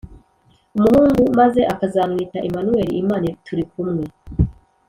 umuhungu maze akazamwita emmanweli: imana turikumwe